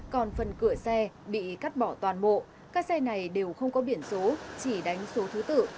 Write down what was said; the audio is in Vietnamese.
còn phần cửa xe bị cắt bỏ toàn bộ các xe này đều không có biển số chỉ đánh số thứ tự